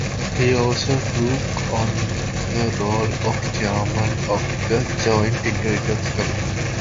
He also took on the role of Chairman of the Joint Intelligence Committee.